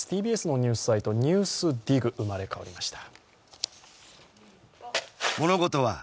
ＴＢＳのニュースサイト「ＮＥＷＳＤＩＧ」生まれ変わりました。